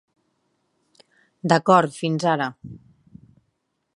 D'acord, fins ara.